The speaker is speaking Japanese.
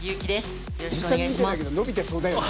実際に見てないけど伸びてそうだよね。